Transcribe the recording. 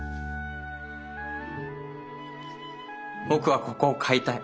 僕はここを買いたい。